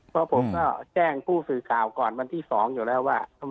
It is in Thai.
เพราะผมก็แจ้งผู้สื่อข่าวก่อนวันที่๒อยู่แล้วว่า